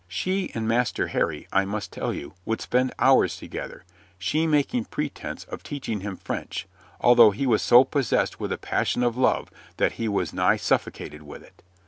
She and Master Harry, I must tell you, would spend hours together, she making pretense of teaching him French, although he was so possessed with a passion of love that he was nigh suffocated with it.